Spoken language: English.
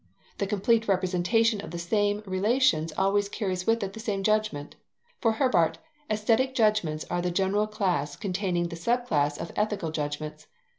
The complete representation of the same relations always carries with it the same judgment. For Herbart, aesthetic judgments are the general class containing the sub class of ethical judgments.